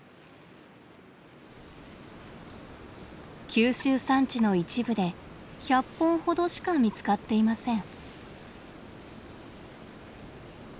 九州山地の一部で１００本ほどしか見つかっていません。